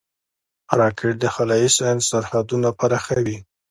راکټ د خلایي ساینس سرحدونه پراخوي